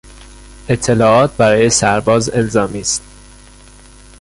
اطلاعات برای سرباز الزامی است.